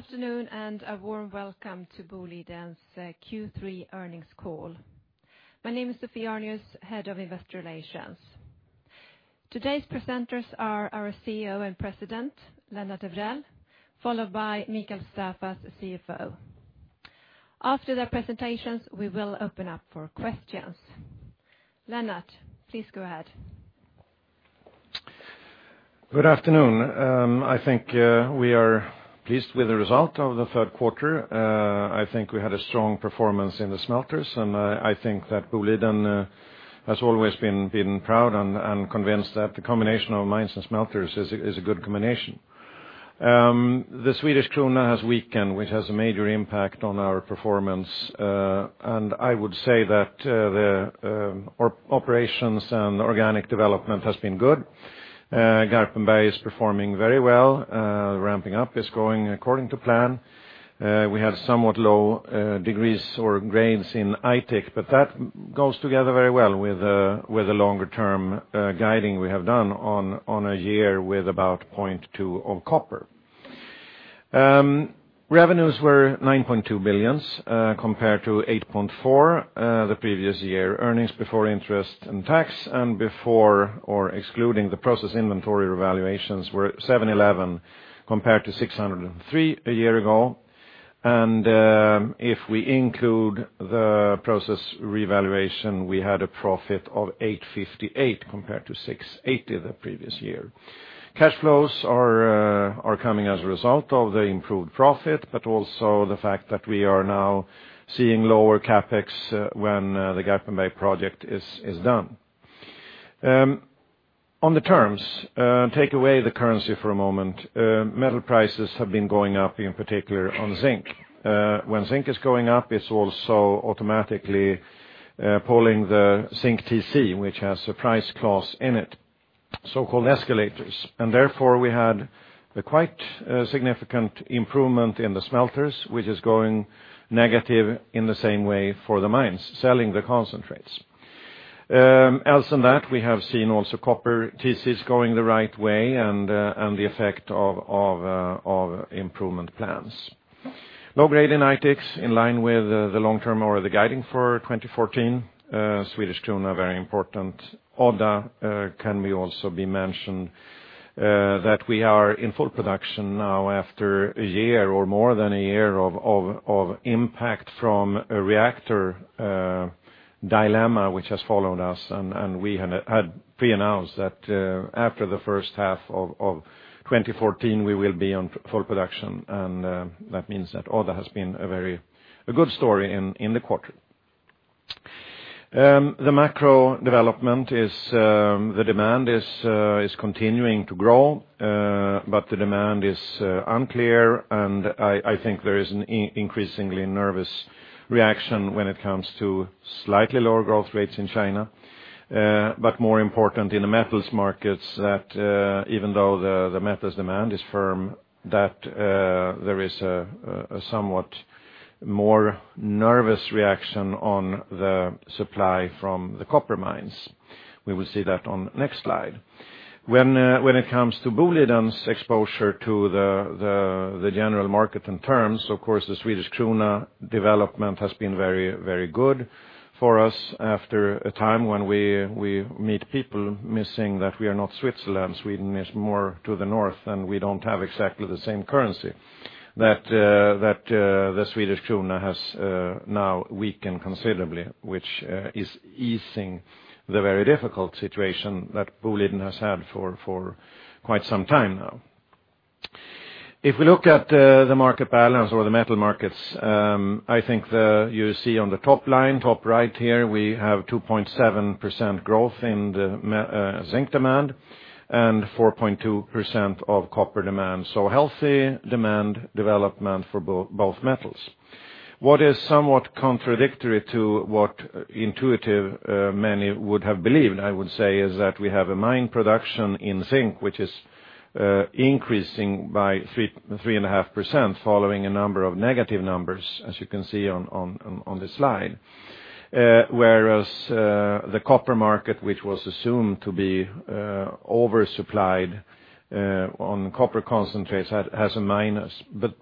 Good afternoon. A warm welcome to Boliden's Q3 earnings call. My name is Sophie Arnius, Head of Investor Relations. Today's presenters are our CEO and President, Lennart Evrell, followed by Mikael Staffas, CFO. After their presentations, we will open up for questions. Lennart, please go ahead. Good afternoon. I think we are pleased with the result of the third quarter. I think we had a strong performance in the smelters. I think that Boliden has always been proud and convinced that the combination of mines and smelters is a good combination. The Swedish krona has weakened, which has a major impact on our performance. I would say that the operations and organic development has been good. Garpenberg is performing very well. Ramping up is going according to plan. We had somewhat low degrees or grains in Aitik, but that goes together very well with the longer-term guiding we have done on a year with about 0.2 of copper. Revenues were 9.2 billion, compared to 8.4 billion the previous year. EBIT before or excluding the process inventory evaluations were 711 million compared to 603 million a year ago. If we include the process revaluation, we had a profit of 858 million compared to 680 million the previous year. Cash flows are coming as a result of the improved profit, but also the fact that we are now seeing lower CapEx when the Garpenberg project is done. On the terms, take away the currency for a moment. Metal prices have been going up, in particular on zinc. When zinc is going up, it's also automatically pulling the zinc TCs, which has a price clause in it, so-called escalators. Therefore we had a quite significant improvement in the smelters, which is going negative in the same way for the mines selling the concentrates. Else than that, we have seen also copper TCs going the right way and the effect of improvement plans. Low grade in Aitik in line with the long term or the guiding for 2014. Swedish krona very important. Odda can we also be mentioned that we are in full production now after a year or more than a year of impact from a reactor dilemma which has followed us. We had pre-announced that after the first half of 2014 we will be on full production. That means that Odda has been a good story in the quarter. The macro development is the demand is continuing to grow, but the demand is unclear, and I think there is an increasingly nervous reaction when it comes to slightly lower growth rates in China. More important in the metals markets that even though the metals demand is firm, that there is a somewhat more nervous reaction on the supply from the copper mines. We will see that on next slide. When it comes to Boliden's exposure to the general market in terms, of course, the Swedish krona development has been very good for us after a time when we meet people missing that we are not Switzerland. Sweden is more to the north, and we don't have exactly the same currency. The Swedish krona has now weakened considerably, which is easing the very difficult situation that Boliden has had for quite some time now. If we look at the market balance or the metal markets, I think you see on the top line, top right here, we have 2.7% growth in the zinc demand and 4.2% of copper demand. Healthy demand development for both metals. What is somewhat contradictory to what intuitive many would have believed, I would say, is that we have a mine production in zinc which is increasing by 3.5% following a number of negative numbers, as you can see on the slide. Whereas the copper market which was assumed to be oversupplied on copper concentrates has a minus.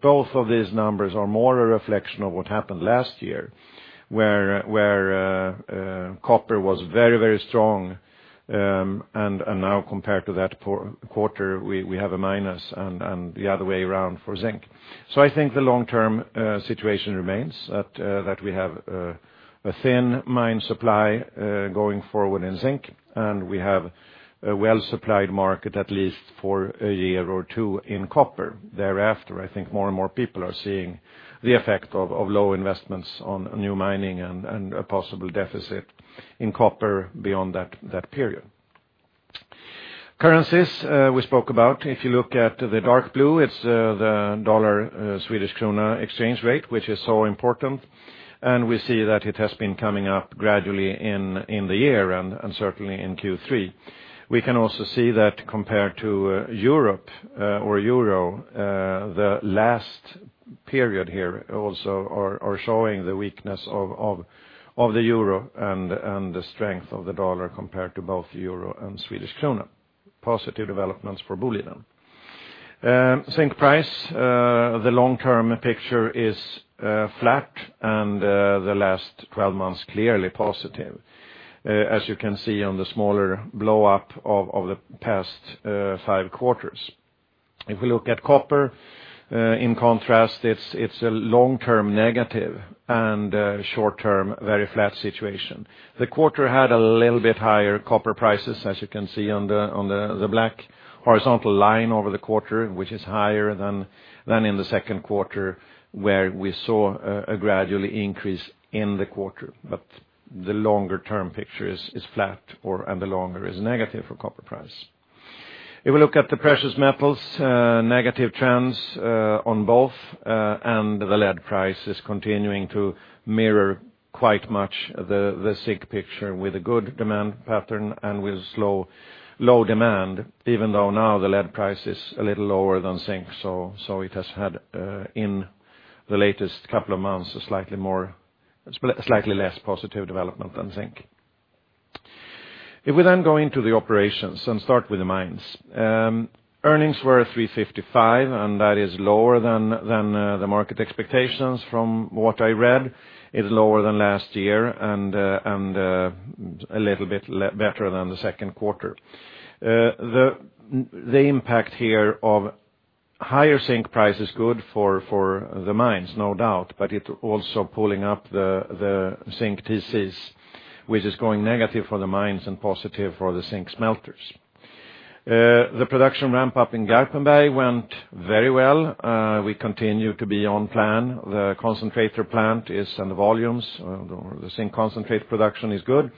Both of these numbers are more a reflection of what happened last year, where copper was very strong. Now compared to that quarter, we have a minus and the other way around for zinc. I think the long-term situation remains that we have a thin mine supply going forward in zinc, and we have a well-supplied market at least for a year or two in copper. Thereafter, I think more and more people are seeing the effect of low investments on new mining and a possible deficit in copper beyond that period. Currencies we spoke about. If you look at the dark blue, it's the dollar Swedish krona exchange rate, which is so important, and we see that it has been coming up gradually in the year and certainly in Q3. We can also see that compared to Europe or euro, the last period here also are showing the weakness of the euro and the strength of the dollar compared to both euro and Swedish krona. Positive developments for Boliden. Zinc price, the long-term picture is flat and the last 12 months, clearly positive. As you can see on the smaller blow-up of the past five quarters. If we look at copper, in contrast, it's a long-term negative and short-term, very flat situation. The quarter had a little bit higher copper prices, as you can see on the black horizontal line over the quarter, which is higher than in the second quarter, where we saw a gradual increase in the quarter. The longer-term picture is flat or/and the longer is negative for copper price. If we look at the precious metals, negative trends on both, and the lead price is continuing to mirror quite much the zinc picture with a good demand pattern and with low demand. Even though now the lead price is a little lower than zinc, so it has had in the latest couple of months, a slightly less positive development than zinc. If we then go into the operations and start with the mines. Earnings were 355, that is lower than the market expectations. From what I read, it's lower than last year and a little bit better than the second quarter. The impact here of higher zinc price is good for the mines, no doubt, but it also pulling up the zinc TCs, which is going negative for the mines and positive for the zinc smelters. The production ramp-up in Garpenberg went very well. We continue to be on plan. The concentrator plant is in the volumes. The zinc concentrate production is good,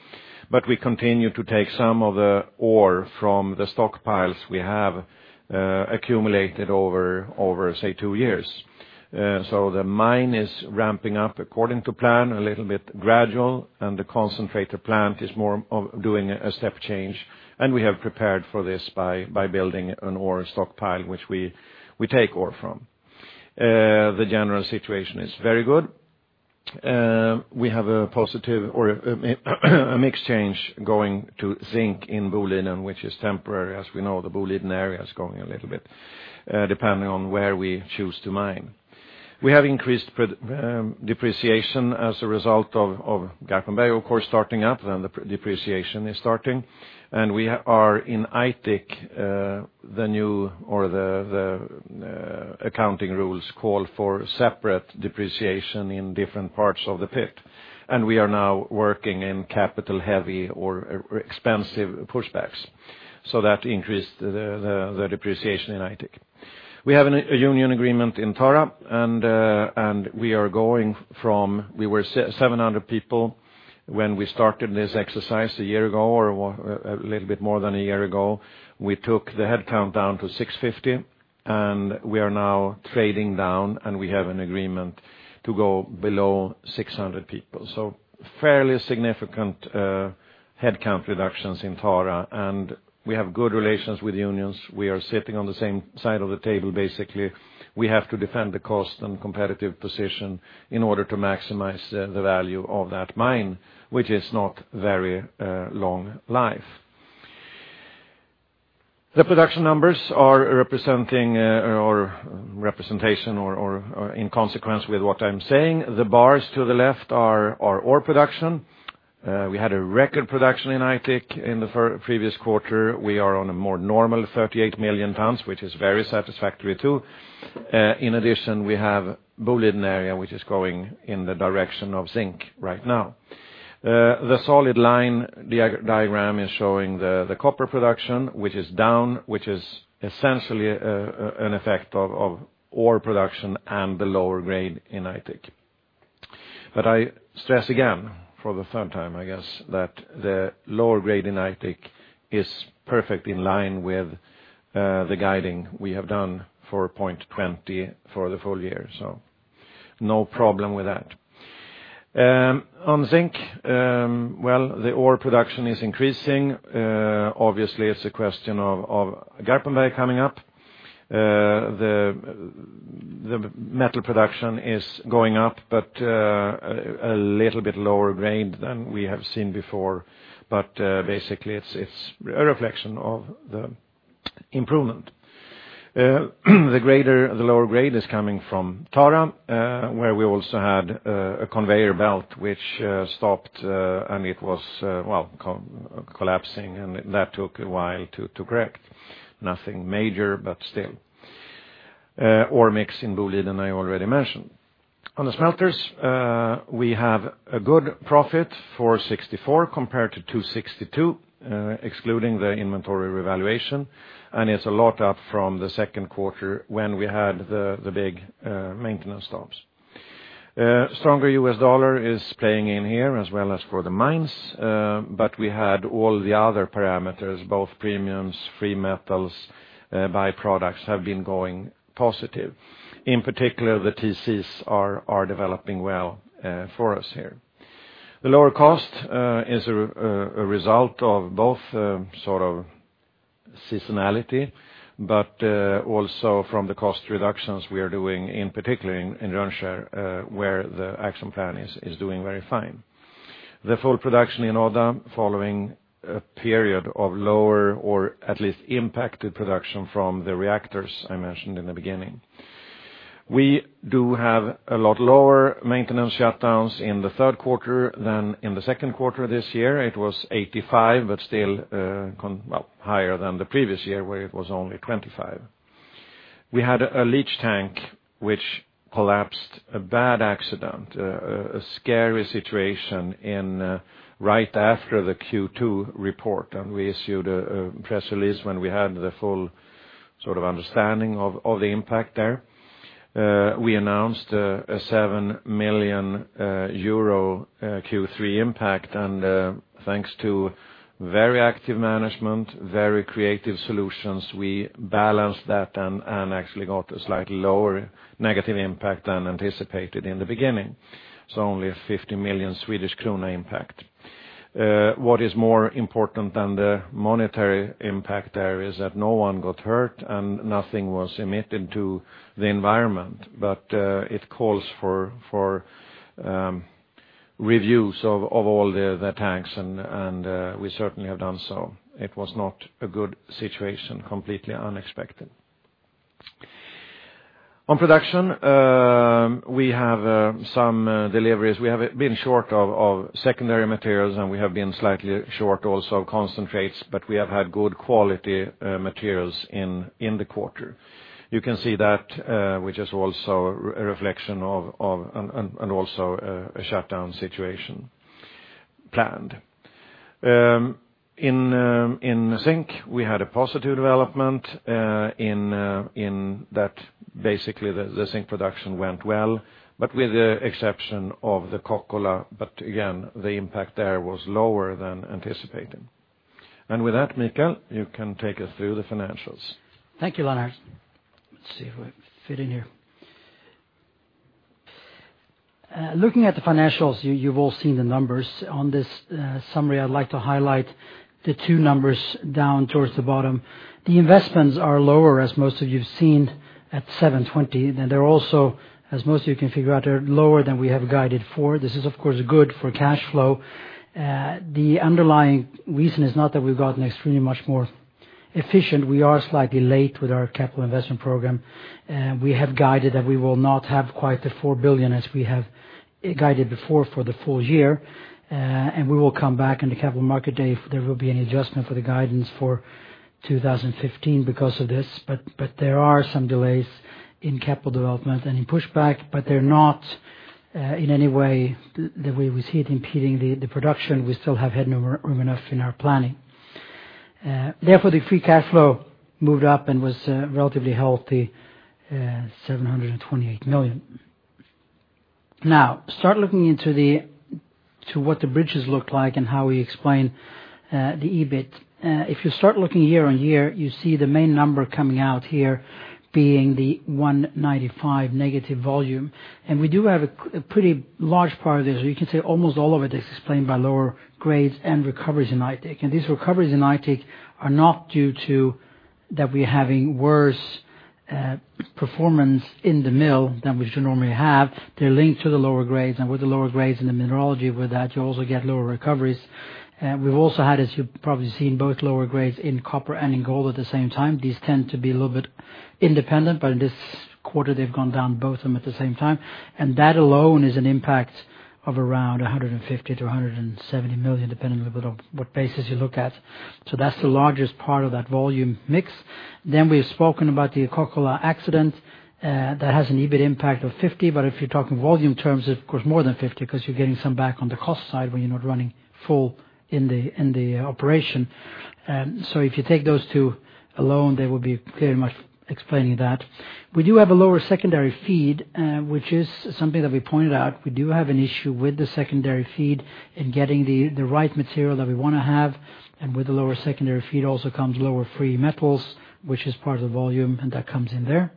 but we continue to take some of the ore from the stockpiles we have accumulated over, say, two years. The mine is ramping up according to plan, a little bit gradual, and the concentrator plant is more of doing a step change, and we have prepared for this by building an ore stockpile, which we take ore from. The general situation is very good. We have a positive or a mixed change going to zinc in Boliden, which is temporary. As we know, the Boliden area is going a little bit, depending on where we choose to mine. We have increased depreciation as a result of Garpenberg, of course, starting up, then the depreciation is starting, and we are in Aitik, the new or the accounting rules call for separate depreciation in different parts of the pit. We are now working in capital-heavy or expensive pushbacks. That increased the depreciation in Aitik. We have a union agreement in Tara, and we were 700 people when we started this exercise one year ago, or a little bit more than one year ago. We took the head count down to 650, and we are now trading down, and we have an agreement to go below 600 people. Fairly significant headcount reductions in Tara, and we have good relations with the unions. We are sitting on the same side of the table, basically. We have to defend the cost and competitive position in order to maximize the value of that mine, which is not very long life. The production numbers are representing or representation or in consequence with what I'm saying. The bars to the left are ore production. We had a record production in Aitik in the previous quarter. We are on a more normal 38 million tons, which is very satisfactory too. In addition, we have Boliden area, which is going in the direction of zinc right now. The solid line diagram is showing the copper production, which is down, which is essentially an effect of ore production and the lower grade in Aitik. I stress again, for the third time, I guess, that the lower grade in Aitik is perfect in line with the guiding we have done for 0.20 for the full year. No problem with that. On zinc, well, the ore production is increasing. Obviously, it's a question of Garpenberg coming up. The metal production is going up, but a little bit lower grade than we have seen before. Basically, it's a reflection of the improvement. The lower grade is coming from Tara, where we also had a conveyor belt which stopped, and it was collapsing, and that took a while to correct. Nothing major, but still. Ore mix in Boliden, I already mentioned. On the smelters, we have a good profit, 464 compared to 262, excluding the inventory revaluation, and it's a lot up from the second quarter when we had the big maintenance stops. Stronger US dollar is playing in here as well as for the mines, we had all the other parameters, both premiums, free metals, byproducts have been going positive. In particular, the TCs are developing well for us here. The lower cost is a result of both seasonality, but also from the cost reductions we are doing, in particular in Rönnskär, where the action plan is doing very fine. The full production in order following a period of lower or at least impacted production from the reactors I mentioned in the beginning. We do have a lot lower maintenance shutdowns in the third quarter than in the second quarter this year. It was 85, but still higher than the previous year, where it was only 25. We had a leach tank which collapsed, a bad accident, a scary situation right after the Q2 report, we issued a press release when we had the full understanding of the impact there. We announced a 7 million euro Q3 impact, thanks to very active management, very creative solutions, we balanced that and actually got a slightly lower negative impact than anticipated in the beginning, so only 50 million Swedish krona impact. What is more important than the monetary impact there is that no one got hurt and nothing was emitted to the environment. It calls for reviews of all the tanks, and we certainly have done so. It was not a good situation. Completely unexpected. On production, we have some deliveries. We have been short of secondary materials, we have been slightly short also of concentrates, we have had good quality materials in the quarter. You can see that, which is also a reflection of and also a shutdown situation planned. In zinc, we had a positive development in that basically the zinc production went well, with the exception of the Kokkola. Again, the impact there was lower than anticipated. With that, Mikael, you can take us through the financials. Thank you, Lennart. Let's see if I fit in here. Looking at the financials, you've all seen the numbers on this summary. I'd like to highlight the two numbers down towards the bottom. The investments are lower, as most of you've seen, at 720 SEK. They're also, as most of you can figure out, they're lower than we have guided for. This is, of course, good for cash flow. The underlying reason is not that we've gotten extremely much more efficient. We are slightly late with our capital investment program. We have guided that we will not have quite the 4 billion SEK as we have guided before for the full year, we will come back in the Capital Markets Day if there will be any adjustment for the guidance for 2015 because of this. There are some delays in capital development and in pushback, but they're not in any way that we see it impeding the production. We still have headroom enough in our planning. Therefore, the free cash flow moved up and was relatively healthy, 728 million. Start looking into what the bridges look like and how we explain the EBIT. If you start looking year-over-year, you see the main number coming out here being the 195 negative volume. We do have a pretty large part of this, or you can say almost all of it is explained by lower grades and recoveries in Aitik. These recoveries in Aitik are not due to that we're having worse performance in the mill than we should normally have. They're linked to the lower grades, and with the lower grades in the mineralogy with that, you also get lower recoveries. We've also had, as you've probably seen, both lower grades in copper and in gold at the same time. These tend to be a little bit independent, but in this quarter they've gone down both of them at the same time. That alone is an impact of around 150 million to 170 million, depending on what basis you look at. That's the largest part of that volume mix. We have spoken about the Kokkola accident. That has an EBIT impact of 50, but if you're talking volume terms, of course more than 50, because you're getting some back on the cost side when you're not running full in the operation. If you take those two alone, they will be very much explaining that. We do have a lower secondary feed, which is something that we pointed out. We do have an issue with the secondary feed in getting the right material that we want to have. With the lower secondary feed also comes lower free metals, which is part of the volume, and that comes in there.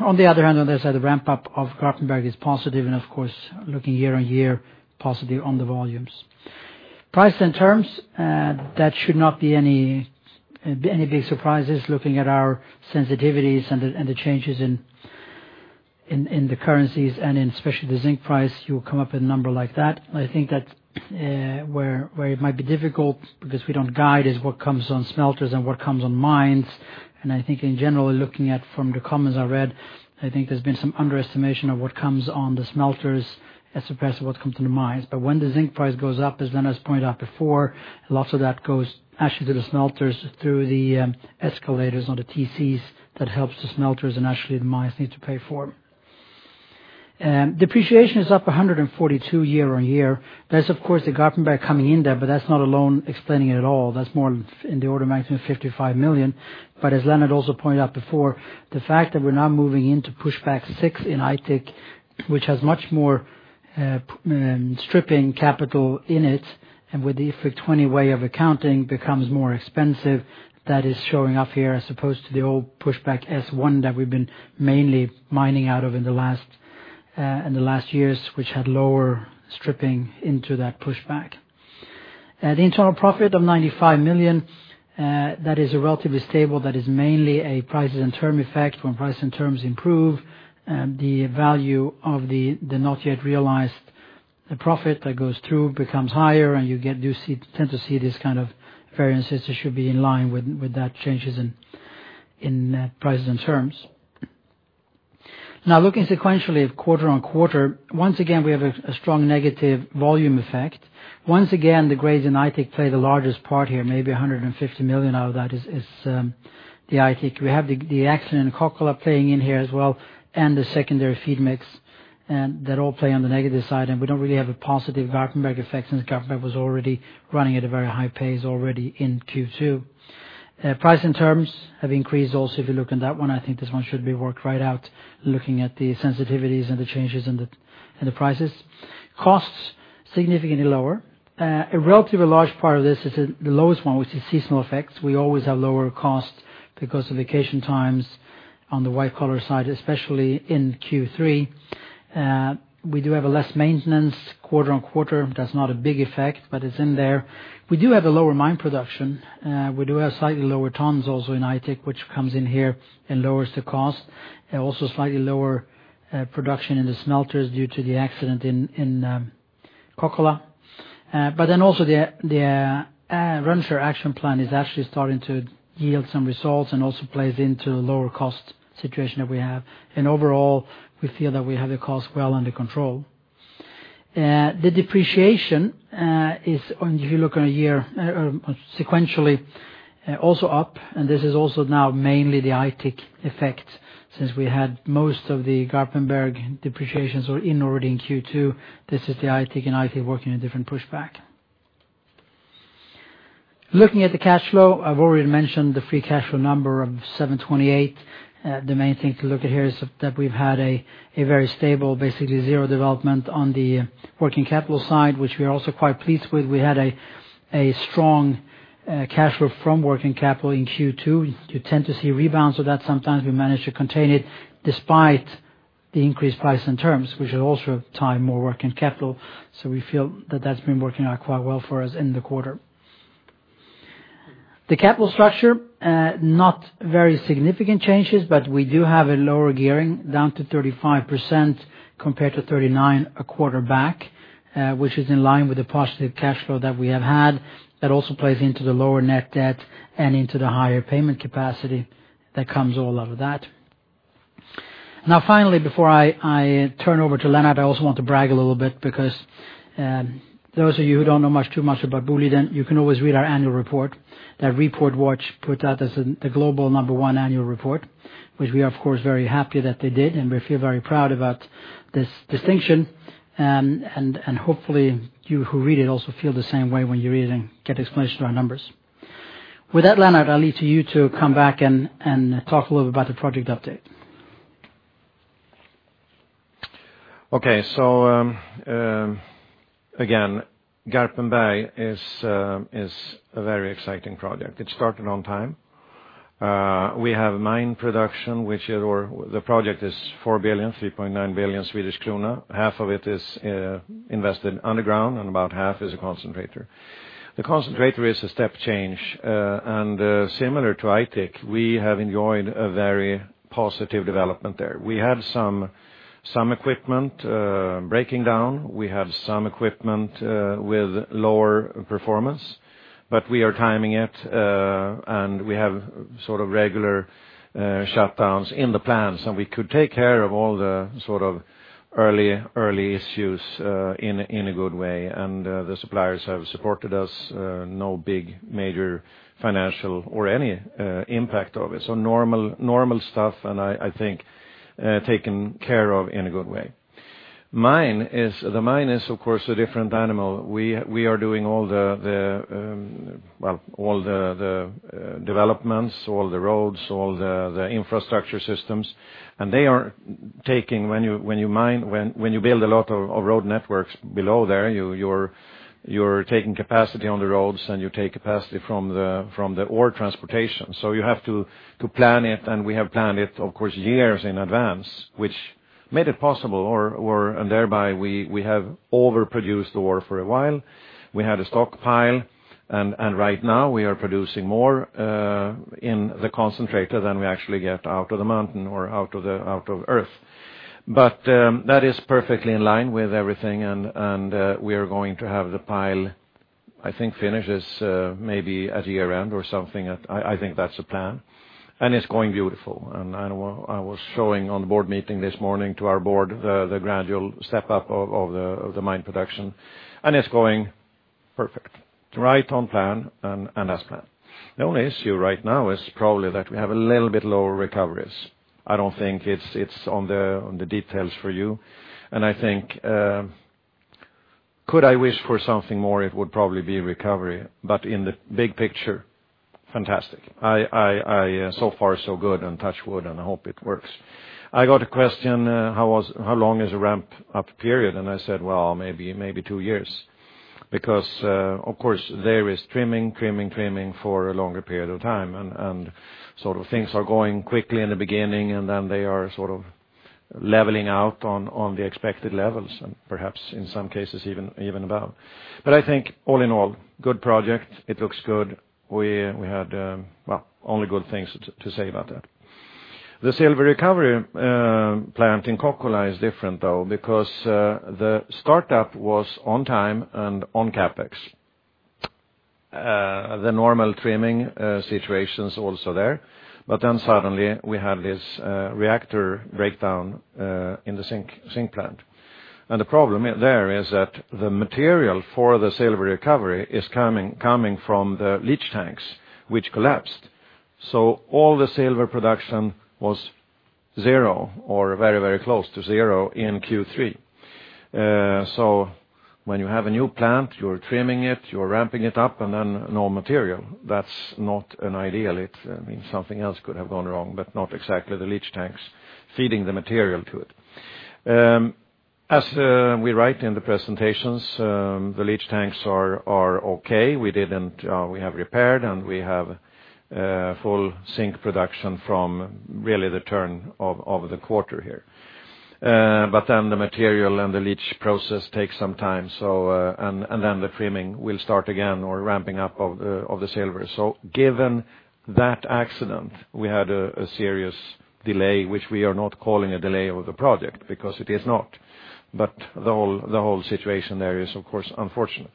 On the other hand, on this side, the ramp-up of Garpenberg is positive and of course, looking year-over-year, positive on the volumes. Price and terms, that should not be any big surprises looking at our sensitivities and the changes in the currencies and in especially the zinc price, you will come up with a number like that. I think that where it might be difficult, because we don't guide, is what comes on smelters and what comes on mines. I think in general, looking at from the comments I read, I think there's been some underestimation of what comes on the smelters as opposed to what comes from the mines. When the zinc price goes up, as Lennart's pointed out before, lots of that goes actually to the smelters through the escalators on the TCs that helps the smelters and actually the mines need to pay for. Depreciation is up 142 year-over-year. That's of course the Garpenberg coming in there, but that's not alone explaining it at all. That's more in the order of magnitude 55 million. As Lennart also pointed out before, the fact that we're now moving into Pushback 6 in Aitik, which has much more stripping capital in it, and with the IFRIC 20 way of accounting becomes more expensive, that is showing up here as opposed to the old Pushback S1 that we've been mainly mining out of in the last years, which had lower stripping into that pushback. The internal profit of 95 million, that is relatively stable. That is mainly a prices and term effect. When prices and terms improve, the value of the not yet realized profit that goes through becomes higher, and you tend to see these kind of variances that should be in line with that changes in net prices and terms. Looking sequentially quarter-on-quarter, once again, we have a strong negative volume effect. Once again, the grades in Aitik play the largest part here. Maybe 150 million out of that is the Aitik. We have the accident in Kokkola playing in here as well, and the secondary feed mix, that all play on the negative side. We don't really have a positive Garpenberg effect since Garpenberg was already running at a very high pace already in Q2. Price and terms have increased also, if you look on that one, I think this one should be worked right out looking at the sensitivities and the changes in the prices. Costs significantly lower. A relatively large part of this is the lowest one, which is seasonal effects. We always have lower costs because of vacation times on the white-collar side, especially in Q3. We do have a less maintenance quarter-on-quarter. That's not a big effect, but it's in there. We do have a lower mine production. We do have slightly lower tons also in Aitik, which comes in here and lowers the cost, and also slightly lower production in the smelters due to the accident in Kokkola. Also the Run For action plan is actually starting to yield some results and also plays into the lower cost situation that we have. Overall, we feel that we have the cost well under control. The depreciation is, if you look on a year sequentially, also up, and this is also now mainly the Aitik effect since we had most of the Garpenberg depreciations were in already in Q2. This is the Aitik and Aitik working a different pushback. Looking at the cash flow, I've already mentioned the free cash flow number of 728. The main thing to look at here is that we've had a very stable, basically zero development on the working capital side, which we are also quite pleased with. We had a strong cash flow from working capital in Q2. You tend to see rebounds of that sometimes. We managed to contain it despite the increased price and terms, which will also tie more working capital. We feel that that's been working out quite well for us in the quarter. The capital structure, not very significant changes, but we do have a lower gearing down to 35% compared to 39% a quarter back, which is in line with the positive cash flow that we have had that also plays into the lower net debt and into the higher payment capacity that comes all out of that. Finally, before I turn over to Lennart, I also want to brag a little bit because those of you who do not know too much about Boliden, you can always read our annual report that Report Watch put out as the global number one annual report, which we are of course, very happy that they did, and we feel very proud about this distinction. Hopefully, you who read it also feel the same way when you are reading, get explanation to our numbers. With that, Lennart, I will leave to you to come back and talk a little bit about the project update. Okay. Again, Garpenberg is a very exciting project. It started on time. We have mine production, which the project is 4 billion, 3.9 billion Swedish krona. Half of it is invested underground and about half is a concentrator. The concentrator is a step change, and similar to Aitik, we have enjoyed a very positive development there. We have some equipment breaking down. We have some equipment with lower performance, but we are timing it, and we have sort of regular shutdowns in the plans, and we could take care of all the sort of early issues in a good way. The suppliers have supported us, no big major financial or any impact of it. Normal stuff, and I think taken care of in a good way. The mine is, of course, a different animal. We are doing all the developments, all the roads, all the infrastructure systems, and they are taking when you build a lot of road networks below there, you are taking capacity on the roads and you take capacity from the ore transportation. You have to plan it. We have planned it, of course, years in advance, which made it possible or thereby we have overproduced ore for a while. We had a stockpile, and right now we are producing more in the concentrator than we actually get out of the mountain or out of earth. That is perfectly in line with everything. We are going to have the pile, I think finishes maybe at year-end or something. I think that is the plan. It is going beautiful. I was showing on the board meeting this morning to our board the gradual step-up of the mine production, and it is going perfect. Right on plan and as planned. The only issue right now is probably that we have a little bit lower recoveries. I do not think it is on the details for you. I think could I wish for something more, it would probably be recovery, but in the big picture, fantastic. Far so good and touch wood. I hope it works. I got a question how long is the ramp-up period? I said, "Well, maybe two years." Because of course there is trimming for a longer period of time, and sort of things are going quickly in the beginning, and then they are sort of leveling out on the expected levels and perhaps in some cases even above. I think all in all, good project, it looks good. We had only good things to say about that. The silver recovery plant in Kokkola is different though, because the startup was on time and on CapEx. The normal trimming situation's also there, suddenly we had this reactor breakdown in the zinc plant. The problem there is that the material for the silver recovery is coming from the leach tanks, which collapsed. All the silver production was zero or very close to zero in Q3. When you have a new plant, you're trimming it, you're ramping it up, then no material. That's not ideal. Something else could have gone wrong, but not exactly the leach tanks feeding the material to it. As we write in the presentations, the leach tanks are okay. We have repaired, we have full zinc production from really the turn of the quarter here. The material and the leach process takes some time, the trimming will start again, or ramping up of the silver. Given that accident, we had a serious delay, which we are not calling a delay of the project because it is not. The whole situation there is, of course, unfortunate.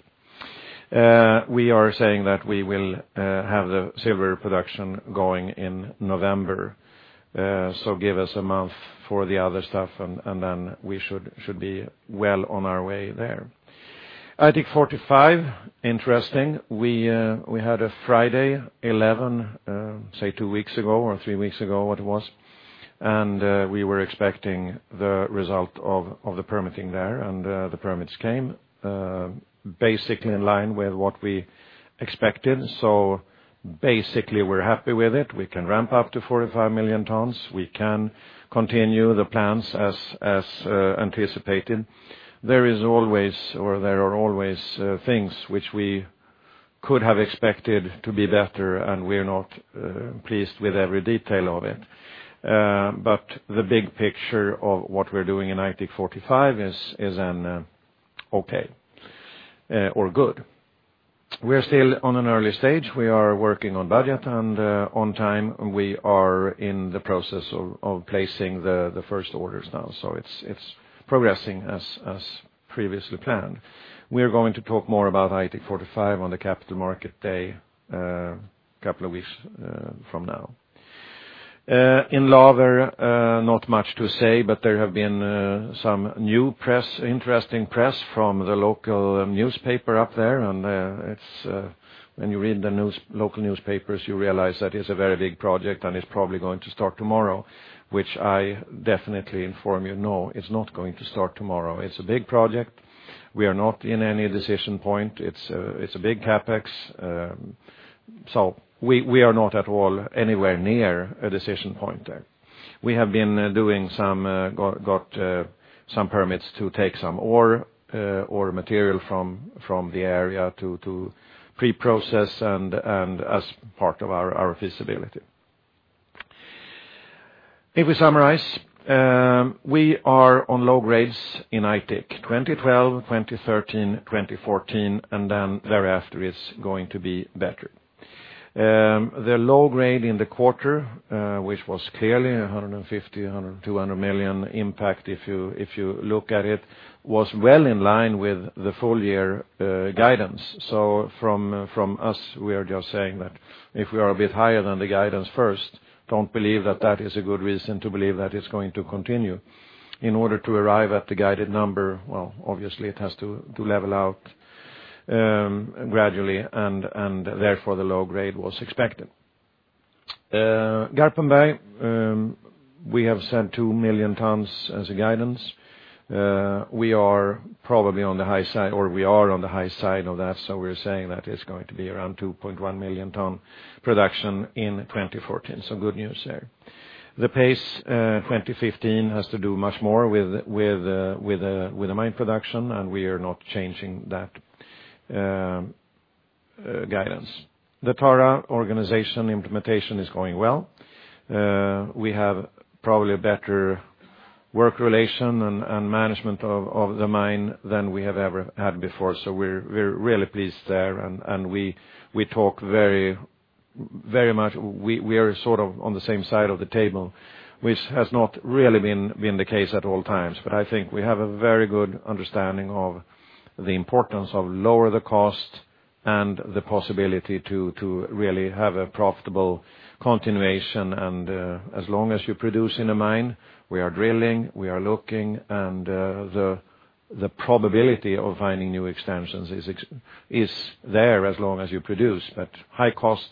We are saying that we will have the silver production going in November. Give us a month for the other stuff, we should be well on our way there. Aitik 45, interesting. We had a Friday 11, say two weeks ago or three weeks ago, what it was, we were expecting the result of the permitting there, the permits came. Basically in line with what we expected. Basically we're happy with it. We can ramp up to 45 million tons. We can continue the plans as anticipated. There are always things which we could have expected to be better, we're not pleased with every detail of it. The big picture of what we're doing in Aitik 45 is okay or good. We're still on an early stage. We are working on budget and on time. We are in the process of placing the first orders now. It's progressing as previously planned. We are going to talk more about Aitik 45 on the Capital Markets Day a couple of weeks from now. In Laver, not much to say, there have been some new interesting press from the local newspaper up there. When you read the local newspapers, you realize that it's a very big project, it's probably going to start tomorrow, which I definitely inform you, no, it's not going to start tomorrow. It's a big project. We are not in any decision point. It's a big CapEx. We are not at all anywhere near a decision point there. We got some permits to take some ore material from the area to pre-process and as part of our feasibility. If we summarize, we are on low grades in Aitik, 2012, 2013, 2014, thereafter it's going to be better. The low grade in the quarter, which was clearly 150 million, 200 million impact if you look at it, was well in line with the full year guidance. From us, we are just saying that if we are a bit higher than the guidance first, don't believe that that is a good reason to believe that it's going to continue. In order to arrive at the guided number, obviously it has to level out gradually, and therefore the low grade was expected. Garpenberg, we have said 2 million tons as a guidance. We are probably on the high side, or we are on the high side of that, we're saying that it's going to be around 2.1 million ton production in 2014. Good news there. The pace 2015 has to do much more with the mine production, and we are not changing that guidance. The Tara organization implementation is going well. We have probably a better work relation and management of the mine than we have ever had before. We're really pleased there, and we talk very much. We are sort of on the same side of the table, which has not really been the case at all times. I think we have a very good understanding of the importance of lower the cost and the possibility to really have a profitable continuation. As long as you produce in a mine, we are drilling, we are looking, and the probability of finding new extensions is there as long as you produce, but high cost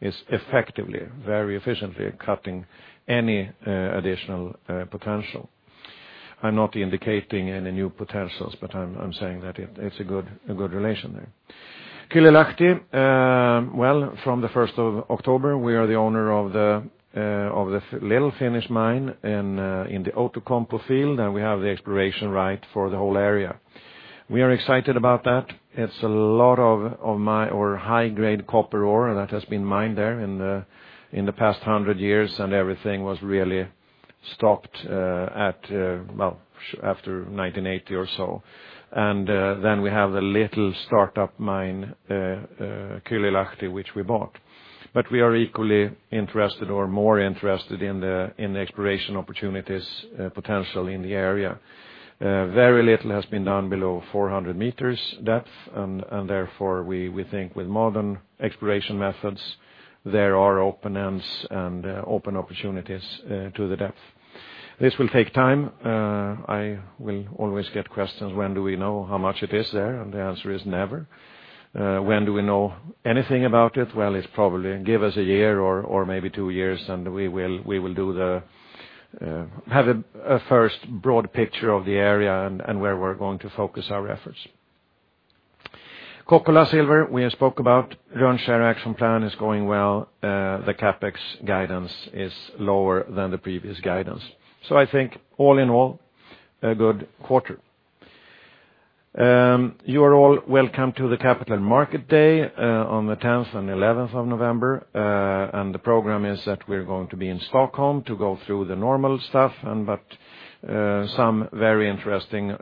is effectively, very efficiently cutting any additional potential. I'm not indicating any new potentials, but I'm saying that it's a good relation there. Kylylahti, from the 1st of October, we are the owner of the little Finnish mine in the Outokumpu field, and we have the exploration right for the whole area. We are excited about that. It's a lot of high-grade copper ore that has been mined there in the past 100 years, and everything was really stopped after 1980 or so. Then we have the little startup mine, Kylylahti, which we bought. We are equally interested or more interested in the exploration opportunities potential in the area. Very little has been done below 400 meters depth, and therefore we think with modern exploration methods, there are open ends and open opportunities to the depth. This will take time. I will always get questions, when do we know how much it is there, and the answer is never. When do we know anything about it? It's probably give us a year or maybe two years, and we will have a first broad picture of the area and where we're going to focus our efforts. Kokkola Silver, we have spoke about. Rönnskär action plan is going well. The CapEx guidance is lower than the previous guidance. I think all in all, a good quarter. You are all welcome to the Capital Markets Day on the 10th and 11th of November. The program is that we're going to be in Stockholm to go through the normal stuff, but some very interesting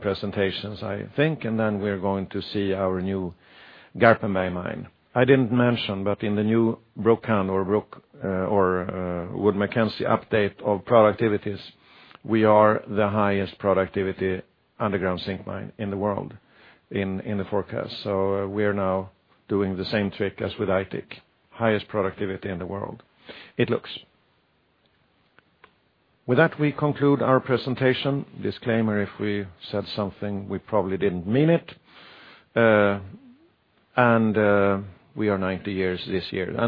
presentations, I think, and then we're going to see our new Garpenberg mine. I didn't mention, but in the new Brook Hunt or Wood Mackenzie update of productivities, we are the highest productivity underground zinc mine in the world in the forecast. We are now doing the same trick as with Aitik, highest productivity in the world. It looks. With that, we conclude our presentation. Disclaimer, if we said something, we probably didn't mean it. We are 90 years this year. Yes,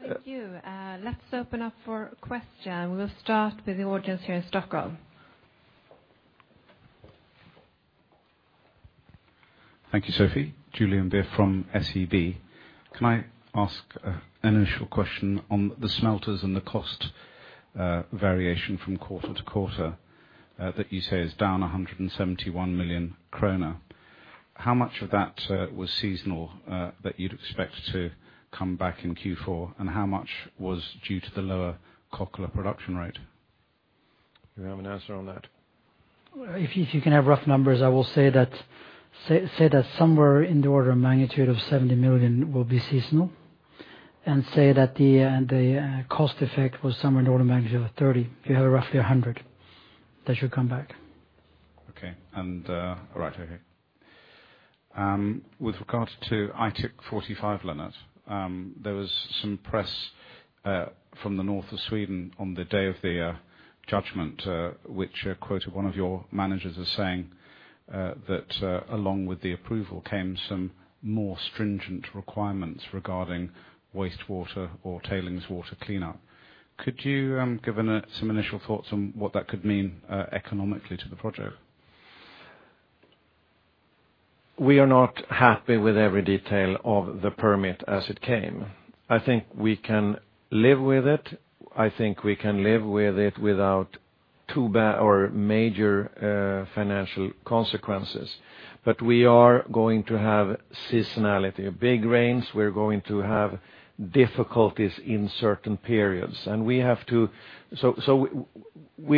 thank you. Let's open up for question. We will start with the audience here in Stockholm. Thank you, Sophie. Julian Beer from SEB. Can I ask an initial question on the smelters and the cost variation from quarter to quarter that you say is down 171 million kronor. How much of that was seasonal that you would expect to come back in Q4, and how much was due to the lower Kokkola production rate? Do you have an answer on that? If you can have rough numbers, I will say that somewhere in the order of magnitude of 70 million will be seasonal, and say that the cost effect was somewhere in the order of magnitude of 30. If you have roughly 100, that should come back. Okay. All right. With regard to Aitik 45, Lennart, there was some press from the north of Sweden on the day of the judgment, which quoted one of your managers as saying that along with the approval came some more stringent requirements regarding wastewater or tailings water cleanup. Could you give some initial thoughts on what that could mean economically to the project? We are not happy with every detail of the permit as it came. I think we can live with it. I think we can live with it without major financial consequences. We are going to have seasonality, big rains. We're going to have difficulties in certain periods. We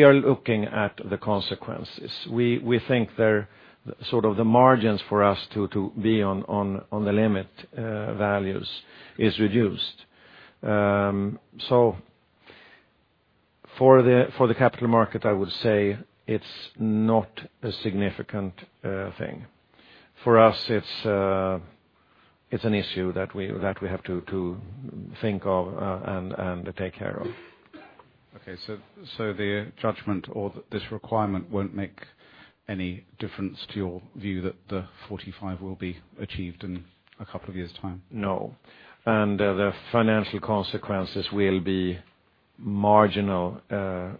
are looking at the consequences. We think the margins for us to be on the limit values is reduced. For the capital market, I would say it's not a significant thing. For us, it's an issue that we have to think of and take care of. Okay. The judgment or this requirement won't make any difference to your view that the 45 will be achieved in a couple of years' time? No. The financial consequences will be marginal,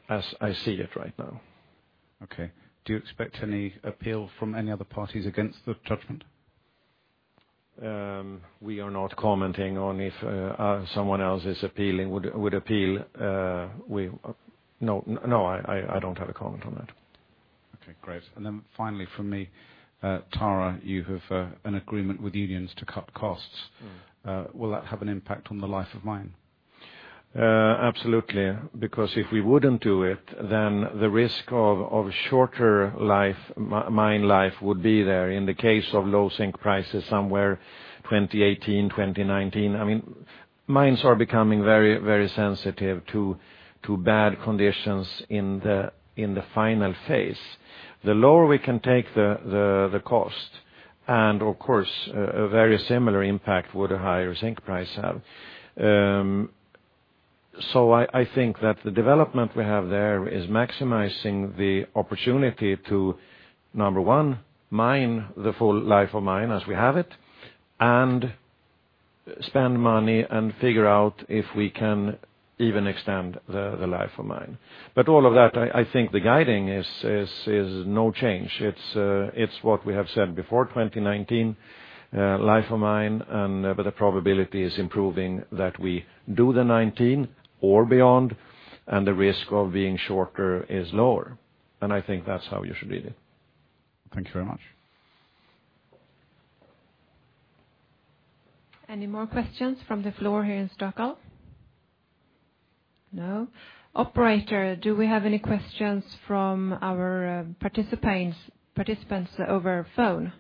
as I see it right now. Okay. Do you expect any appeal from any other parties against the judgment? We are not commenting on if someone else would appeal. No, I don't have a comment on that. Okay, great. Finally from me, Tara, you have an agreement with unions to cut costs. Will that have an impact on the life of mine? Absolutely. If we wouldn't do it, then the risk of shorter mine life would be there in the case of low zinc prices somewhere 2018, 2019. Mines are becoming very sensitive to bad conditions in the final phase. The lower we can take the cost, and of course, a very similar impact would a higher zinc price have. I think that the development we have there is maximizing the opportunity to, number one, mine the full life of mine as we have it, and spend money and figure out if we can even extend the life of mine. All of that, I think the guiding is no change. It's what we have said before 2019, life of mine, but the probability is improving that we do the 2019 or beyond, and the risk of being shorter is lower. I think that's how you should read it. Thank you very much. Any more questions from the floor here in Stockholm? No. Operator, do we have any questions from our participants over phone?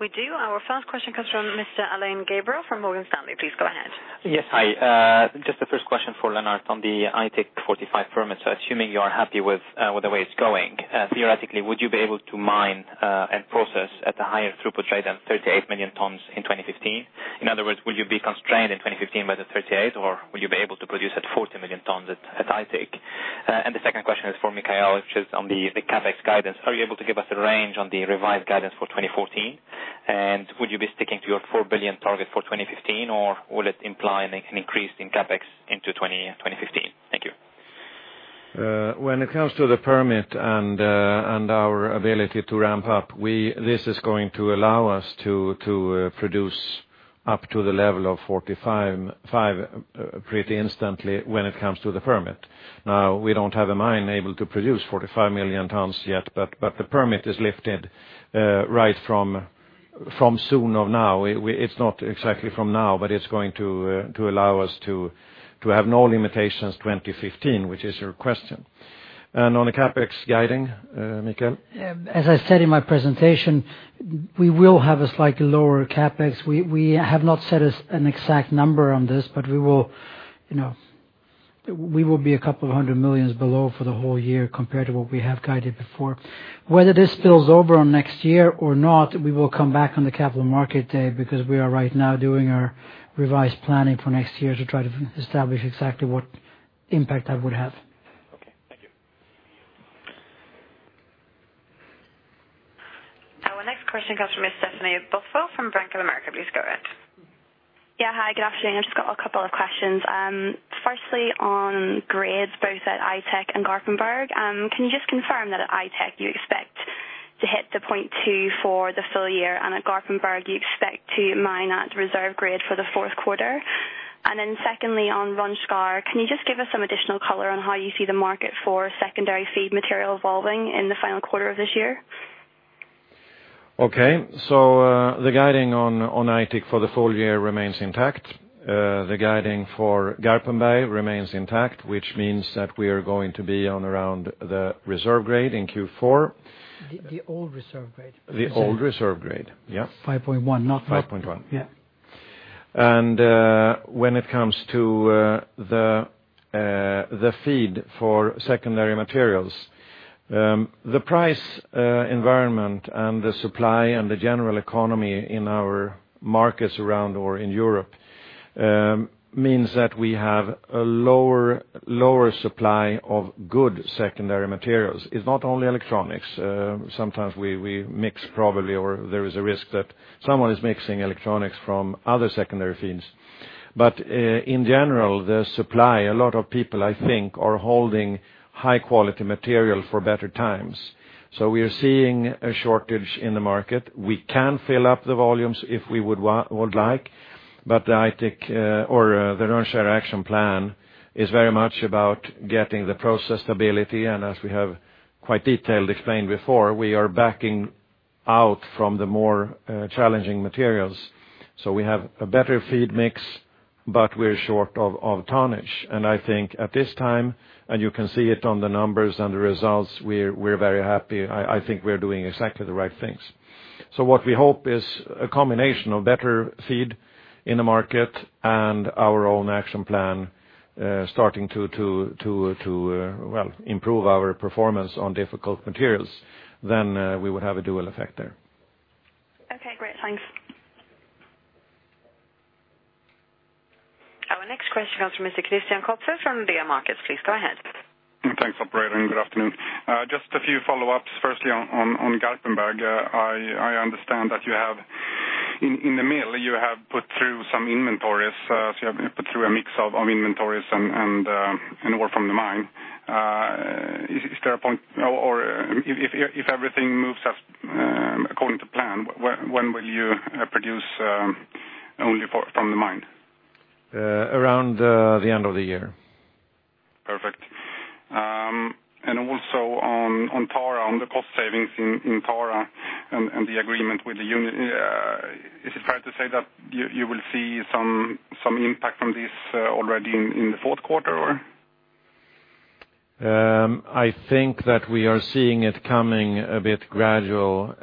We do. Our first question comes from Mr. Alain Gabriel from Morgan Stanley. Please go ahead. Yes. Hi. Just the first question for Lennart on the Aitik 45 permits. Assuming you are happy with the way it's going, theoretically would you be able to mine and process at a higher throughput rate than 38 million tons in 2015? In other words, will you be constrained in 2015 by the 38 or will you be able to produce at 40 million tons at Aitik? The second question is for Mikael, which is on the CapEx guidance. Are you able to give us a range on the revised guidance for 2014? Would you be sticking to your 4 billion target for 2015 or will it imply an increase in CapEx into 2015? Thank you. When it comes to the permit and our ability to ramp up, this is going to allow us to produce up to the level of 45 pretty instantly when it comes to the permit. Now, we don't have a mine able to produce 45 million tons yet, but the permit is lifted right from soon of now. It's not exactly from now, but it's going to allow us to have no limitations 2015, which is your question. On the CapEx guiding, Mikael? As I said in my presentation, we will have a slightly lower CapEx. We have not set an exact number on this, but we will be a couple of hundred millions below for the whole year compared to what we have guided before. Whether this spills over on next year or not, we will come back on the Capital Markets Day because we are right now doing our revised planning for next year to try to establish exactly what impact that would have. Okay. Thank you. Our next question comes from Ms. Stephanie Buswell from Bank of America. Please go ahead. Yeah. Hi, good afternoon. I've just got a couple of questions. Firstly, on grades both at Aitik and Garpenberg, can you just confirm that at Aitik you expect to hit the 0.2 for the full year and at Garpenberg you expect to mine at reserve grade for the fourth quarter? Secondly, on Rönnskär, can you just give us some additional color on how you see the market for secondary feed material evolving in the final quarter of this year? Okay. The guiding on Aitik for the full year remains intact. The guiding for Garpenberg remains intact, which means that we are going to be on around the reserve grade in Q4. The old reserve grade. The old reserve grade. Yes. 5.1. 5.1. Yeah. When it comes to the feed for secondary materials, the price environment and the supply and the general economy in our markets around or in Europe means that we have a lower supply of good secondary materials. It's not only electronics. Sometimes we mix probably, or there is a risk that someone is mixing electronics from other secondary feeds. In general, the supply, a lot of people I think, are holding high quality material for better times. We are seeing a shortage in the market. We can fill up the volumes if we would like, but Aitik or the Rönnskär action plan is very much about getting the process stability, and as we have quite detailed explained before, we are backing out from the more challenging materials. We have a better feed mix, but we're short of tonnage. I think at this time, and you can see it on the numbers and the results, we're very happy. I think we're doing exactly the right things. What we hope is a combination of better feed in the market and our own action plan starting to improve our performance on difficult materials, then we would have a dual effect there. Okay, great. Thanks. Our next question comes from Mr. Christian Kopfer from Nordea Markets. Please go ahead. Thanks operator and good afternoon. Just a few follow-ups, firstly on Garpenberg. I understand that in the mill you have put through some inventories, so you have put through a mix of inventories and ore from the mine. If everything moves according to plan, when will you produce only from the mine? Around the end of the year. Perfect. Also on Tara, on the cost savings in Tara and the agreement with the union, is it fair to say that you will see some impact on this already in the fourth quarter? I think that we are seeing it coming a bit gradual.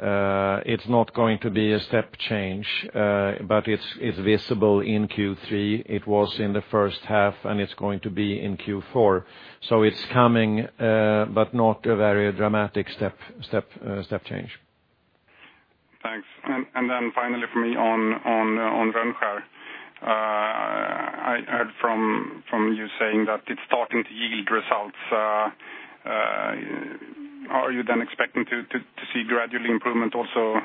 It's not going to be a step change, but it's visible in Q3, it was in the first half and it's going to be in Q4. It's coming, but not a very dramatic step change. Thanks. Finally from me on Rönnskär. I heard from you saying that it's starting to yield results. Are you expecting to see gradual improvement also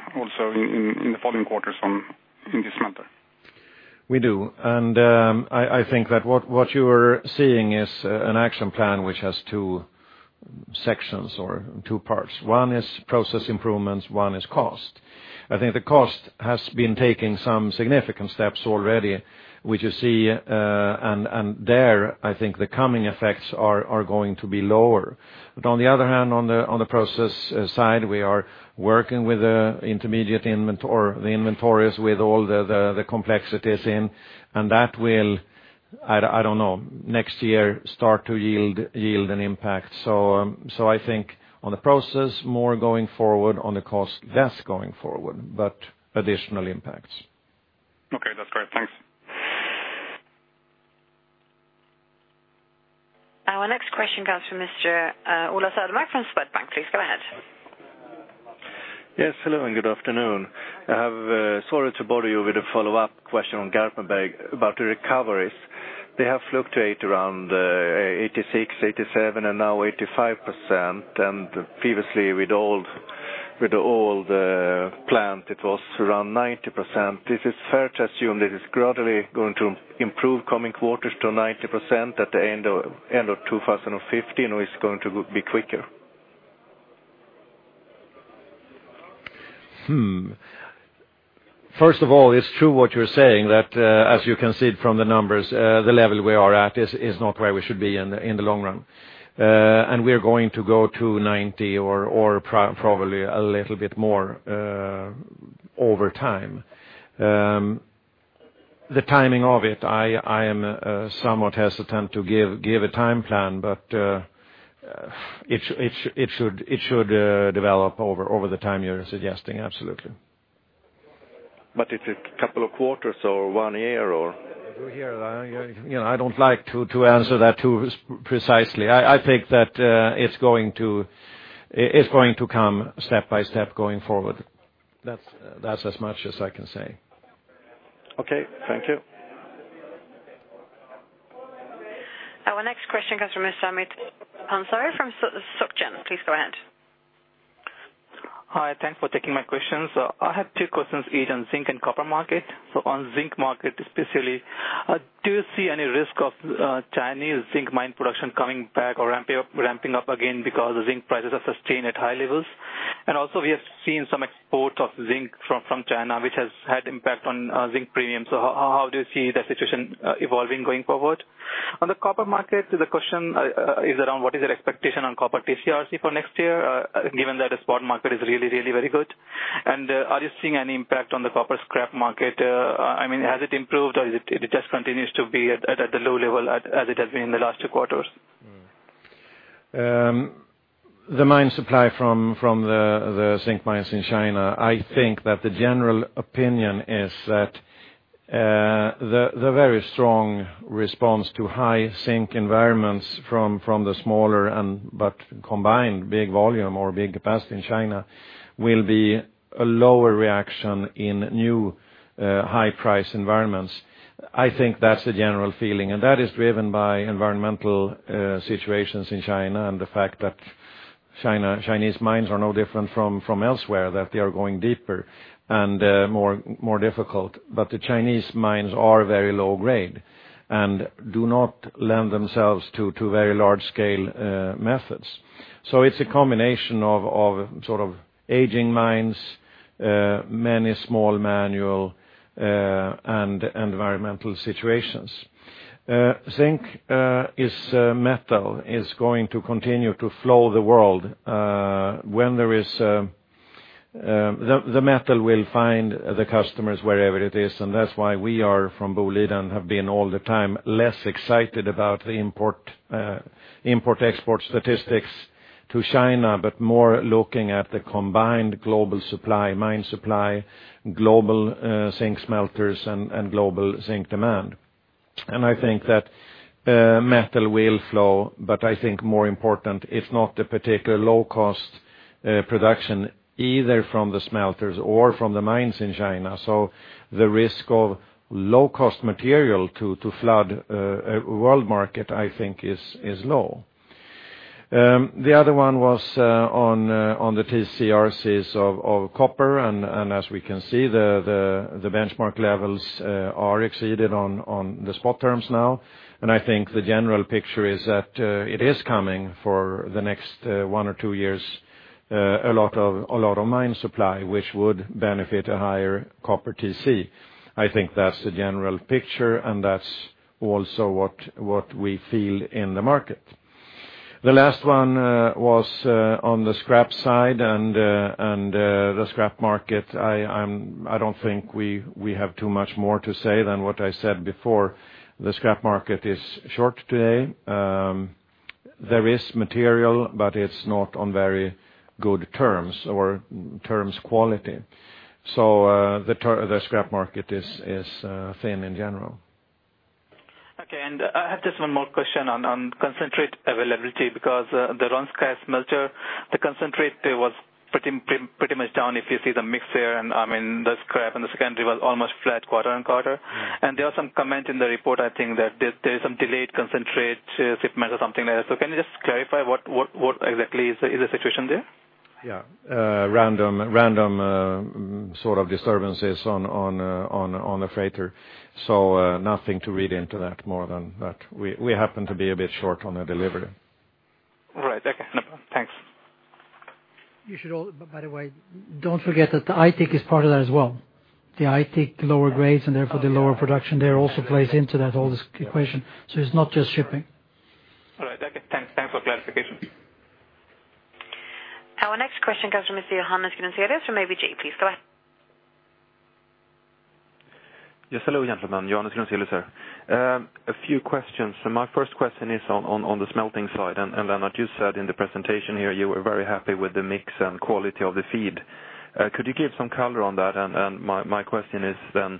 in the following quarters in this matter? We do. I think that what you are seeing is an action plan which has two sections or two parts. One is process improvements, one is cost. I think the cost has been taking some significant steps already, which you see, there, I think the coming effects are going to be lower. On the other hand, on the process side, we are working with the inventories with all the complexities in, that will, I don't know, next year start to yield an impact. I think on the process, more going forward, on the cost, less going forward, but additional impacts. Okay, that's great. Thanks. Our next question comes from Mr. Ola Södermark from Swedbank. Please go ahead. Yes, hello and good afternoon. Sorry to bother you with a follow-up question on Garpenberg about the recoveries. They have fluctuated around 86%, 87%, and now 85%, and previously with the old plant, it was around 90%. Is it fair to assume that it is gradually going to improve coming quarters to 90% at the end of 2015, or it's going to be quicker? First of all, it's true what you're saying that as you can see it from the numbers, the level we are at is not where we should be in the long run. We're going to go to 90% or probably a little bit more over time. The timing of it, I am somewhat hesitant to give a time plan, but it should develop over the time you're suggesting, absolutely. Is it a couple of quarters or one year, or? I don't like to answer that too precisely. I think that it's going to come step by step going forward. That's as much as I can say. Okay, thank you. Our next question comes from Samit Pansare from SocGen. Please go ahead. Hi, thanks for taking my questions. I have two questions, each on zinc and copper market. On zinc market especially, do you see any risk of Chinese zinc mine production coming back or ramping up again because the zinc prices are sustained at high levels? Also we have seen some export of zinc from China, which has had impact on zinc premium. How do you see the situation evolving going forward? On the copper market, the question is around what is your expectation on copper TCRC for next year, given that the spot market is really very good. Are you seeing any impact on the copper scrap market? Has it improved or it just continues to be at a low level as it has been in the last two quarters? The mine supply from the zinc mines in China, I think that the general opinion is that the very strong response to high zinc environments from the smaller but combined big volume or big capacity in China will be a lower reaction in new high price environments. I think that's the general feeling, that is driven by environmental situations in China and the fact that Chinese mines are no different from elsewhere, that they are going deeper and more difficult. The Chinese mines are very low grade and do not lend themselves to very large-scale methods. It's a combination of aging mines, many small manual, and environmental situations. Zinc as a metal is going to continue to flow the world. The metal will find the customers wherever it is. That's why we are, from Boliden, have been all the time less excited about the import/export statistics to China, but more looking at the combined global supply, mine supply, global zinc smelters, and global zinc demand. I think that metal will flow, but I think more important, if not the particular low-cost production, either from the smelters or from the mines in China. The risk of low-cost material to flood world market, I think is low. The other one was on the TCRCs of copper. As we can see, the benchmark levels are exceeded on the spot terms now. I think the general picture is that it is coming for the next one or two years, a lot of mine supply, which would benefit a higher copper TC. I think that's the general picture. That's also what we feel in the market. The last one was on the scrap side and the scrap market. I don't think we have too much more to say than what I said before. The scrap market is short today. There is material, but it's not on very good terms or terms quality. The scrap market is thin in general. Okay, I have just one more question on concentrate availability because the Rönnskär smelter, the concentrate there was pretty much down if you see the mix there, and the scrap and the secondary was almost flat quarter-on-quarter. There was some comment in the report, I think that there is some delayed concentrate shipment or something like that. Can you just clarify what exactly is the situation there? Yeah. Random sort of disturbances on the freighter. Nothing to read into that more than that we happen to be a bit short on the delivery. All right. Thanks. You should all. By the way, don't forget that Aitik is part of that as well. The Aitik lower grades and therefore the lower production there also plays into that whole equation. It's not just shipping. All right. Thanks for clarification. Our next question comes from Sir Johannes Grunselius from ABG. Please go ahead. Yes, hello gentlemen. Johannes Grunselius here. A few questions. My first question is on the smelting side, and Lennart, you said in the presentation here you were very happy with the mix and quality of the feed. Could you give some color on that? My question is then,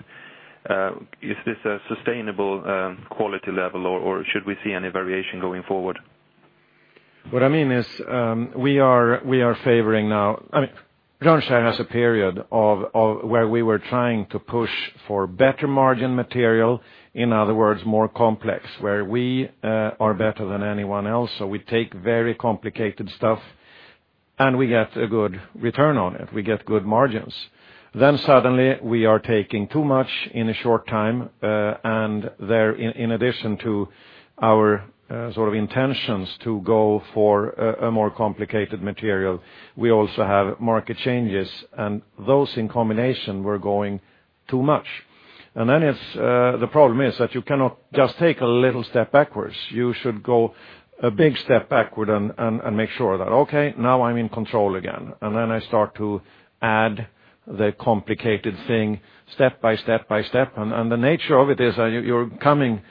is this a sustainable quality level, or should we see any variation going forward? What I mean is, Rönnskär has a period of where we were trying to push for better margin material, in other words, more complex, where we are better than anyone else. We take very complicated stuff and we get a good return on it. We get good margins. Suddenly we are taking too much in a short time, and there, in addition to our intentions to go for a more complicated material, we also have market changes, and those in combination were going too much. The problem is that you cannot just take a little step backwards. You should go a big step backward and make sure that, okay, now I'm in control again. I start to add the complicated thing step by step. The nature of it is you're coming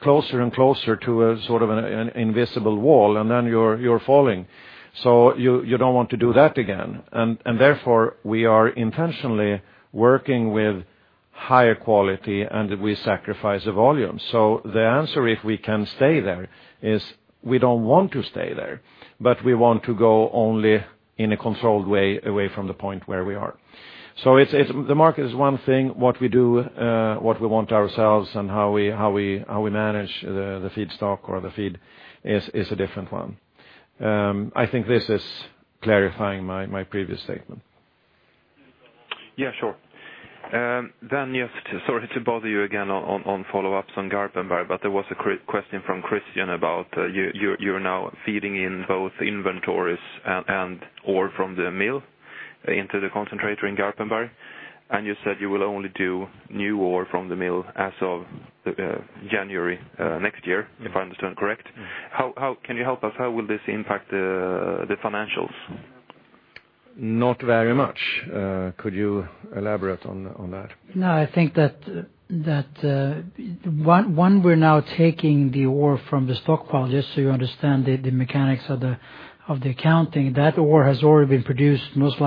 closer and closer to a sort of an invisible wall, and then you're falling. You don't want to do that again. Therefore, we are intentionally working with higher quality, and we sacrifice the volume. The answer if we can stay there is we don't want to stay there, but we want to go only in a controlled way, away from the point where we are. The market is one thing, what we do, what we want ourselves, and how we manage the feedstock or the feed is a different one. I think this is clarifying my previous statement. Yeah, sure. Just sorry to bother you again on follow-ups on Garpenberg, but there was a question from Christian about you're now feeding in both inventories and ore from the mill into the concentrator in Garpenberg. You said you will only do new ore from the mill as of January next year, if I understand correct. Can you help us? How will this impact the financials? Not very much. Could you elaborate on that? I think that one, we're now taking the ore from the stockpile. Just so you understand the mechanics of the accounting. That ore has already been produced most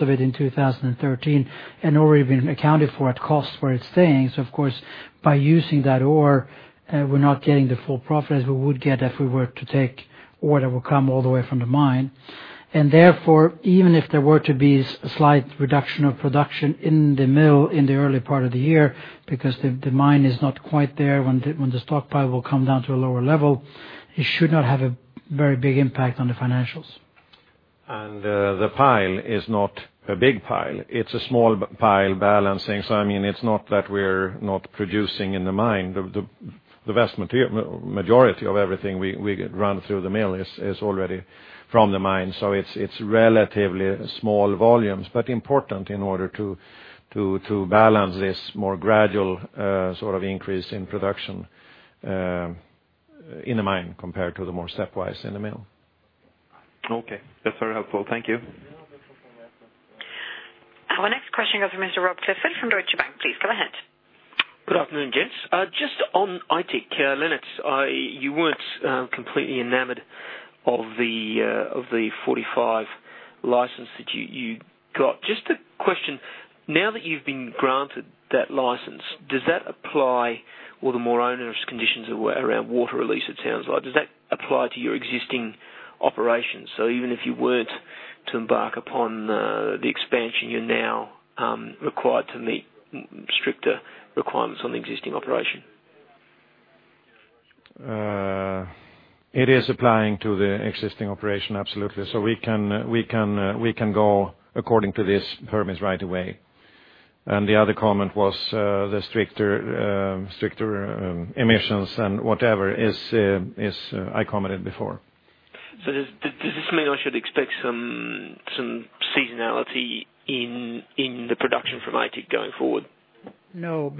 of it in 2013 and already been accounted for at cost where it's staying. Of course, by using that ore, we're not getting the full profit as we would get if we were to take ore that would come all the way from the mine. Therefore, even if there were to be a slight reduction of production in the mill in the early part of the year because the mine is not quite there when the stockpile will come down to a lower level, it should not have a very big impact on the financials. The pile is not a big pile. It's a small pile balancing. I mean, it's not that we're not producing in the mine. The vast majority of everything we run through the mill is already from the mine. It's relatively small volumes, but important in order to balance this more gradual sort of increase in production in the mine compared to the more stepwise in the mill. Okay. That's very helpful. Thank you. Our next question goes to Mr. Robert Clifford from Deutsche Bank. Please go ahead. Good afternoon, gents. Just on Aitik, Lennart, you weren't completely enamored of the 45 license that you got. Just a question, now that you've been granted that license, does that apply all the more onerous conditions around water release, it sounds like. Does that apply to your existing operations? Even if you weren't to embark upon the expansion, you're now required to meet stricter requirements on the existing operation. It is applying to the existing operation, absolutely. We can go according to this permit right away. The other comment was the stricter emissions and whatever as I commented before. Does this mean I should expect some seasonality in the production from Aitik going forward? No,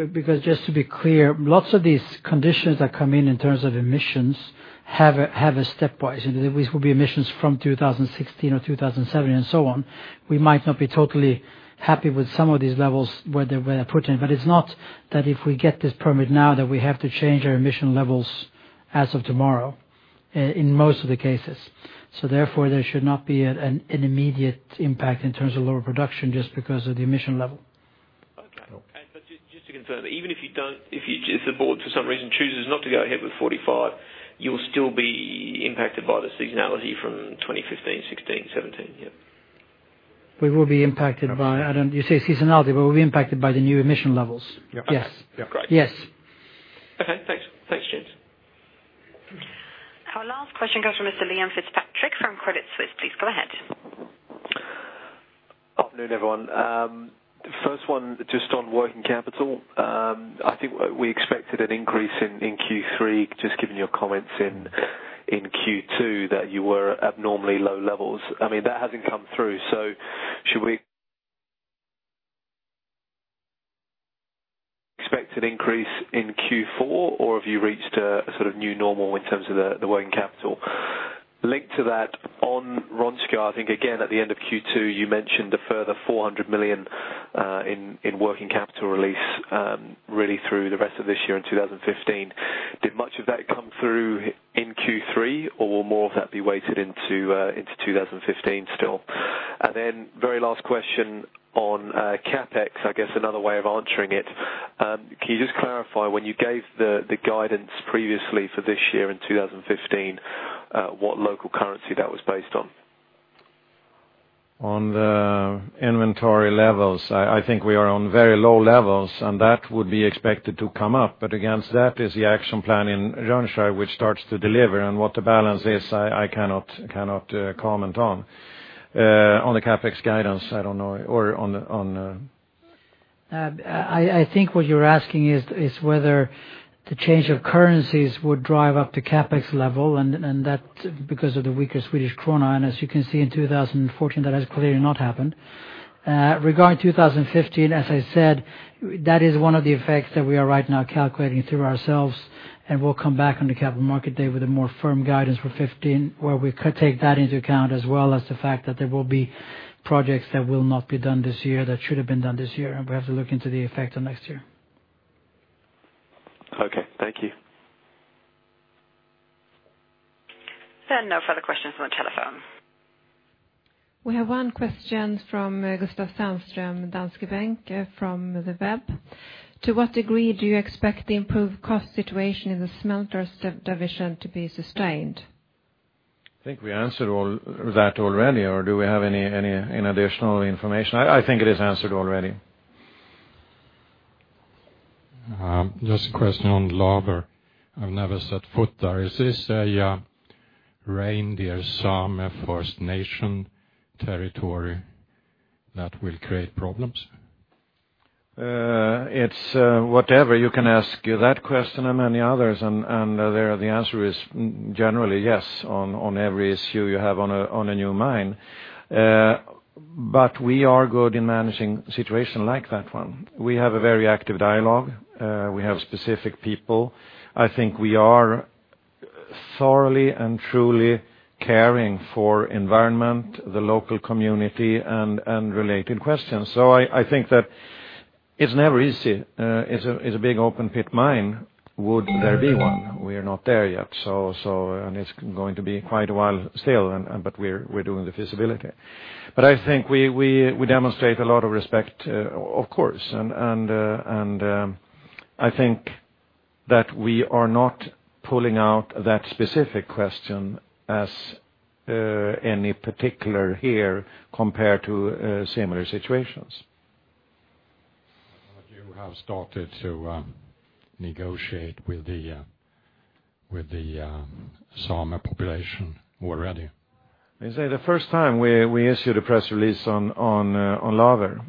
just to be clear, lots of these conditions that come in terms of emissions, have a stepwise. These will be emissions from 2016 or 2017 and so on. We might not be totally happy with some of these levels where they were put in, it's not that if we get this permit now that we have to change our emission levels as of tomorrow in most of the cases. Therefore, there should not be an immediate impact in terms of lower production just because of the emission level. Okay. Just to confirm, even if the board for some reason chooses not to go ahead with 45, you will still be impacted by the seasonality from 2015, 2016, 2017 here? We will be impacted by, You say seasonality, we'll be impacted by the new emission levels. Yep. Yes. Great. Yes. Our last question comes from Mr. Liam Fitzpatrick from Credit Suisse. Please go ahead. Good afternoon, everyone. First one just on working capital. I think we expected an increase in Q3, just given your comments in Q2 that you were at abnormally low levels. That hasn't come through, so should we expect an increase in Q4, or have you reached a sort of new normal in terms of the working capital? Linked to that, on Rönnskär, I think, again, at the end of Q2, you mentioned a further 400 million in working capital release really through the rest of this year in 2015. Did much of that come through in Q3, or will more of that be weighted into 2015 still? Very last question on CapEx, I guess another way of answering it. Can you just clarify when you gave the guidance previously for this year in 2015, what local currency that was based on? On the inventory levels, I think we are on very low levels, and that would be expected to come up. Against that is the action plan in Rönnskär, which starts to deliver, and what the balance is, I cannot comment on. On the CapEx guidance, I don't know. I think what you're asking is whether the change of currencies would drive up the CapEx level, and that's because of the weaker Swedish krona, and as you can see in 2014, that has clearly not happened. Regarding 2015, as I said, that is one of the effects that we are right now calculating through ourselves, and we'll come back on the Capital Markets Day with a more firm guidance for 2015, where we could take that into account as well as the fact that there will be projects that will not be done this year that should've been done this year, and we have to look into the effect on next year. Okay. Thank you. There are no further questions on the telephone. We have one question from Gustav Sandström, Danske Bank, from the web. ''To what degree do you expect the improved cost situation in the smelters division to be sustained?'' I think we answered that already, or do we have any additional information? I think it is answered already. Just a question on Laver. I've never set foot there. Is this a reindeer Sami forest nation territory that will create problems? It's whatever. You can ask that question and many others. There the answer is generally yes, on every issue you have on a new mine. We are good in managing a situation like that one. We have a very active dialogue. We have specific people. I think we are thoroughly and truly caring for environment, the local community, and related questions. I think that it's never easy. It's a big open pit mine. Would there be one? We are not there yet, and it's going to be quite a while still, but we're doing the feasibility. I think we demonstrate a lot of respect, of course. I think that we are not pulling out that specific question as any particular here compared to similar situations. You have started to negotiate with the Sami population already. The first time we issued a press release on Laver.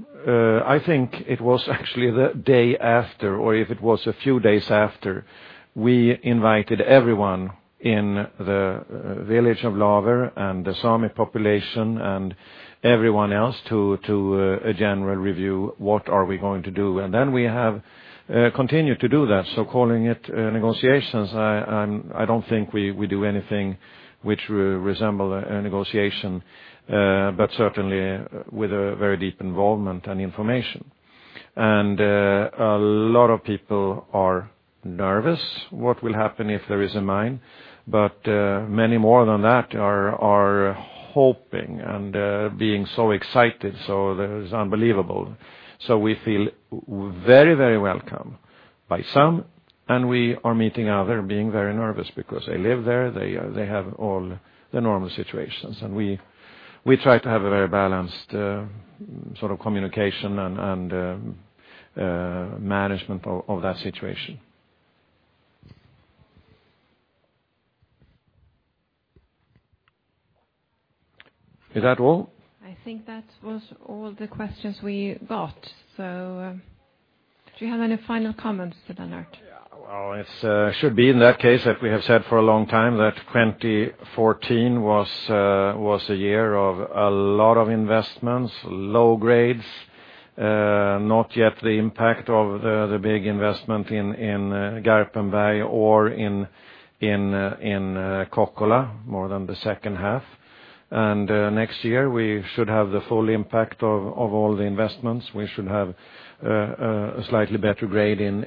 I think it was actually the day after, or if it was a few days after, we invited everyone in the village of Laver and the Sami population and everyone else to a general review, what are we going to do? We have continued to do that. Calling it negotiations, I don't think we do anything which resemble a negotiation. Certainly, with a very deep involvement and information. A lot of people are nervous what will happen if there is a mine, but many more than that are hoping and being so excited, that is unbelievable. We feel very welcome by some, and we are meeting other being very nervous because they live there. They have all the normal situations. We try to have a very balanced sort of communication and management of that situation. Is that all? I think that was all the questions we got. Do you have any final comments, Lennart? It should be in that case, as we have said for a long time, that 2014 was a year of a lot of investments, low grades, not yet the impact of the big investment in Garpenberg or in Kokkola, more than the second half. Next year, we should have the full impact of all the investments. We should have a slightly better grade in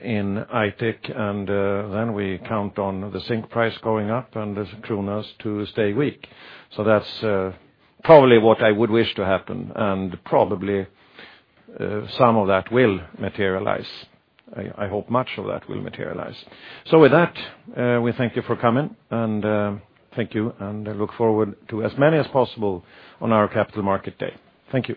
Aitik, and then we count on the zinc price going up and the Swedish krona to stay weak. That's probably what I would wish to happen, and probably some of that will materialize. I hope much of that will materialize. With that, we thank you for coming. Thank you, and I look forward to as many as possible on our Capital Markets Day. Thank you.